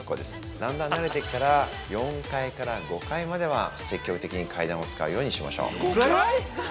だんだんなれてきたら４階から５階までは積極的に階段を使うようにしましょう。